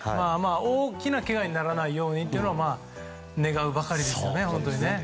大きなけがにならないようにと願うばかりですよね。